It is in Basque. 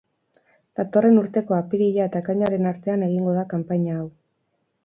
Datorren urteko apirila eta ekainaren artean egingo da kanpaina hau.